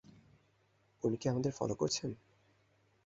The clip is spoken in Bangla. উনি কি আমাদের ফলো করছেন?